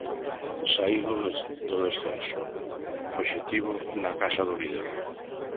Saír do descenso, obxectivo na casa do líder.